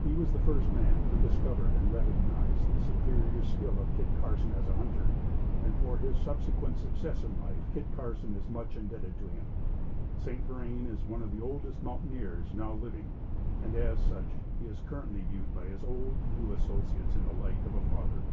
He was the first man who discovered and recognized the superior skill of Kit Carson as a hunter; and, for his subsequent success in life, Kit Carson is much indebted to him. St. Vrain is one of the oldest mountaineers now living; and, as such, he is viewed by his old and new associates in the light of a father.